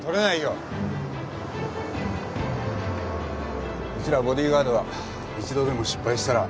うちらボディーガードは一度でも失敗したら。